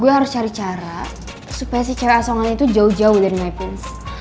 gue harus cari cara supaya si cewek asongan itu jauh jauh dari mypins